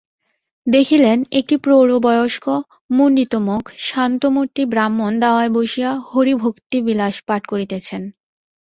দেখিলেন, একটি প্রৌঢ়বয়স্ক মুণ্ডিতমুখ শান্তমূর্তি ব্রাহ্মণ দাওয়ায় বসিয়া হরিভক্তিবিলাস পাঠ করিতেছেন।